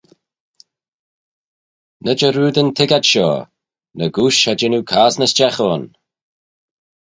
Ny jarrood yn tiggad shoh; n'egooish cha jean oo cosney stiagh ayn.